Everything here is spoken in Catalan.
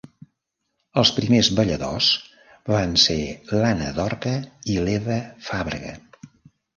Els primers balladors van ser l’Anna Dorca i l’Eva Fàbrega.